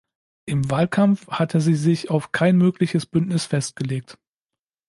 Im Wahlkampf hatte sie sich auf kein mögliches Bündnis festgelegt.